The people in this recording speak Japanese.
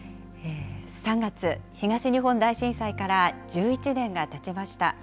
３月、東日本大震災から１１年がたちました。